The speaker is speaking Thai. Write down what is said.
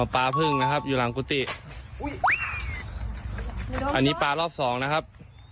ปลาภึ่งนะครับข้างหลังฒุติอันนี้ปลารอบสองนะครับ